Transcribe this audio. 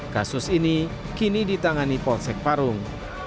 kasus ini kini ditangani polsek parung